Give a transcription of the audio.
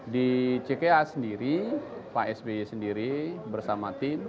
di cka sendiri pak sby sendiri bersama tim